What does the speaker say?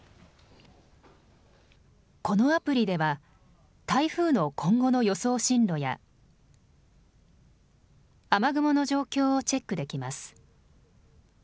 このアプリでは台風の今後の予想進路や雨雲の状況をチェックできます。